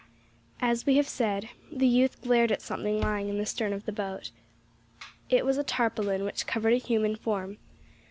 As we have said, the youth glared at something lying in the stern of the boat. It was a tarpaulin, which covered a human form.